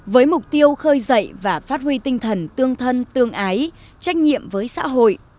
với mục tiêu khơi dậy và phát huy tinh thần tương thân tương ái trách nhiệm với xã hội